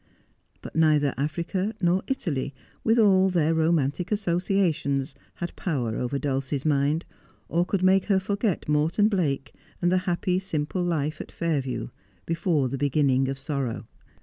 But neither Africa nor Italy, with all their romantic associations, had power over Dulcie's mind, or could make her forget Morton Blake and the lu .ppy, simple life at Fairview, before the beginning of sorrow.